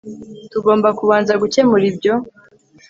Tugomba kubanza gukemura ibyo